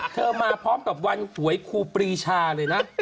มาพร้อมกับวันหวยครูปรีชาเลยนะ